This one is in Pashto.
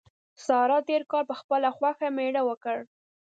سارا تېر کال په خپله خوښه مېړه وکړ.